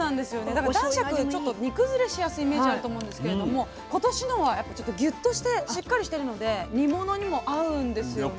だから男爵ちょっと煮崩れしやすいイメージあると思うんですけれども今年のはギュッとしてしっかりしてるので煮物にも合うんですよね。